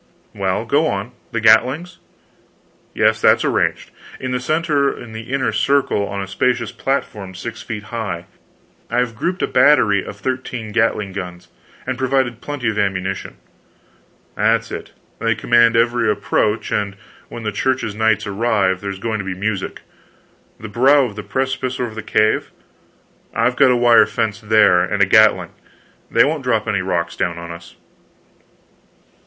Well, go on. The gatlings?" "Yes that's arranged. In the center of the inner circle, on a spacious platform six feet high, I've grouped a battery of thirteen gatling guns, and provided plenty of ammunition." "That's it. They command every approach, and when the Church's knights arrive, there's going to be music. The brow of the precipice over the cave " "I've got a wire fence there, and a gatling. They won't drop any rocks down on us."